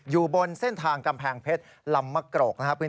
อยู่บนเส้นทางกำแพงเพชรลำมะโกรกนะครับ